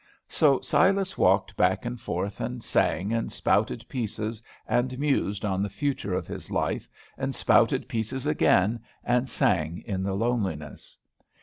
So Silas walked back and forth, and sang, and spouted "pieces," and mused on the future of his life, and spouted "pieces" again, and sang in the loneliness.